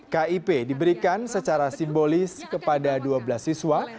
kip diberikan secara simbolis kepada dua belas siswa